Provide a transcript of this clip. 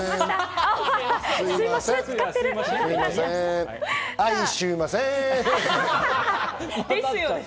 あい、すいません。